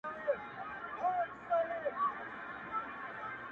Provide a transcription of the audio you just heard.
د عقل سوداګرو پکښي هر څه دي بایللي-